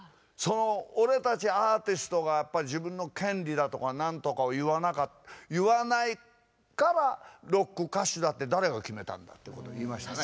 「俺たちアーティストが自分の権利だとか何とかを言わないからロック歌手だって誰が決めたんだ」っていうことを言いましたね。